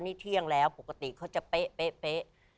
นี่เที่ยงแล้วปกติเขาจะเป๊ะเป๊ะเป๊ะ